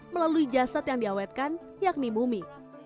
melalui jasad yang diawetkan yakni mumi